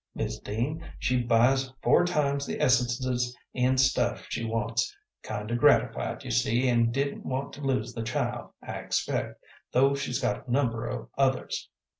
Mis' Dean, she buys four times the essences an' stuff she wants; kind o' gratified, you see, an' didn't want to lose the child, I expect, though she's got a number o' others.